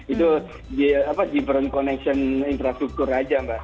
itu di brown connection infrastruktur saja mbak